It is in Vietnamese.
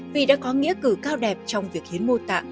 vì đã có nghĩa cử cao đẹp trong việc hiến mô tạng